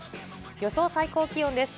予想最高気温です。